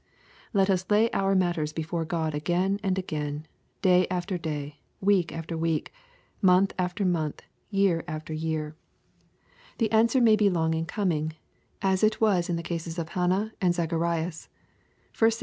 Let us iay our matters before God again and again, day after day, week after week, month after month, year after year. The answer 12 EXPOSITORY THOUGHTS. may be long in coming, as it was in the cases of Hannah and Zacharias. (1 Sam.